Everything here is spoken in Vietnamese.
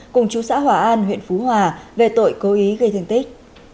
cùng chú xã hòa an huyện phú hòa về tội cố ý gây thương tích